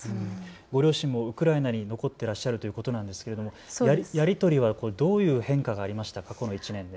ご両親もウクライナに残っていらっしゃるということなんですけれどもやり取りはどういう変化がありましたか、この１年で。